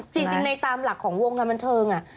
จริงในตามหลักของวงกำลังเทิงอ่ะ